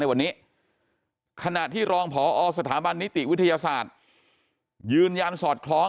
วันนี้ขณะที่รองพอสถาบันนิติวิทยาศาสตร์ยืนยันสอดคล้อง